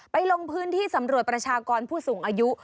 ลงพื้นที่สำรวจประชากรผู้สูงอายุ